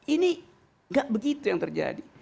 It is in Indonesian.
ini nggak begitu yang terjadi